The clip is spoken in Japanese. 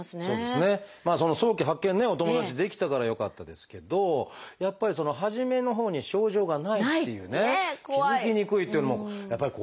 その早期発見ねお友達できたからよかったですけどやっぱり初めのほうに症状がないっていうね気付きにくいっていうのもやっぱり怖いですよね。